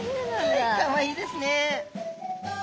かわいいですね。